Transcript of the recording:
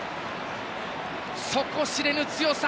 底知れぬ強さ！